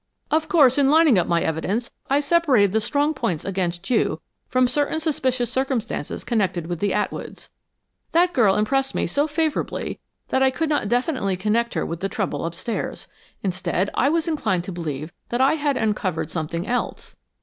Of course, in lining up my evidence, I separated the strong points against you from certain suspicious circumstances connected with the Atwoods. That girl impressed me so favorably that I could not definitely connect her with the trouble upstairs. Instead, I was inclined to believe that I had uncovered something else."